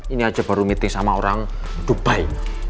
ini aja baru meeting sama orang dubai